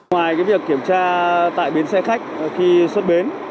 ngoài việc kiểm tra tại bến xe khách khi xuất bến